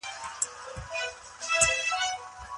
د ارغنداب سیند د کرهڼې دوام تضمینوي.